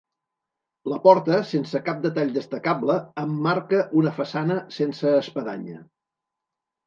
La porta, sense cap detall destacable, emmarca una façana sense espadanya.